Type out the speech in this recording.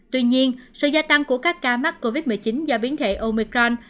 tuy nhiên sự gia tăng của các ca mắc covid một mươi chín do biến thể omicron